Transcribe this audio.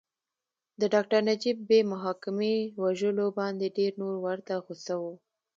د ډاکټر نجیب بې محاکمې وژلو باندې ډېر نور ورته غوسه وو